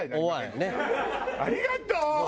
ありがとう！